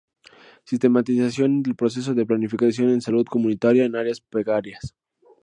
Sistematización del proceso de planificación en salud comunitaria en áreas precarias.